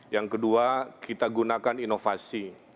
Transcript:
yang kedua kita gunakan inovasi